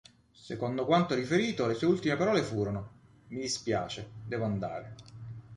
Secondo quanto riferito, le sue ultime parole furono: "Mi dispiace, devo andare".